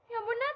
ya ampun nath